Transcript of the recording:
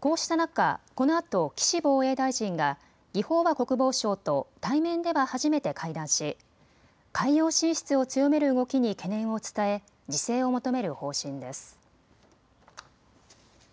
こうした中、このあと岸防衛大臣が魏鳳和国防相と対面では初めて会談し海洋進出を強める動きに懸念を伝え自制を求める方針です。